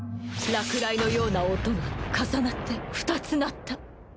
落雷のような音が重なって２つ鳴った